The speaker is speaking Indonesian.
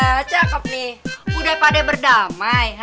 yalah cakep nih udah pada berdamai ha